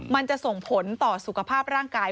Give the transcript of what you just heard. มันจะส่งผลต่อสุขภาพร่างกาย